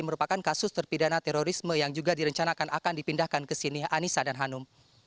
merupakan kasus terpidana terorisme yang juga direncanakan akan dipindahkan ke sini anissa dan hanum